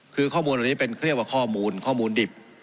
คือข้อมูลเหล่านี้เป็นเรียกว่าข้อมูลข้อมูลดิบ